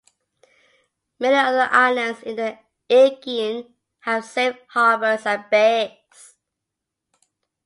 Many of the islands in the Aegean have safe harbours and bays.